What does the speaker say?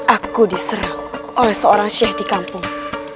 aku diserang oleh seorang sheikh di kampung